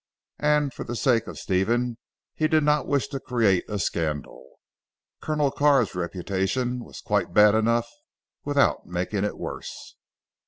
And for the sake of Stephen he did not wish to create a scandal. Colonel Carr's reputation was quite bad enough without making it worse.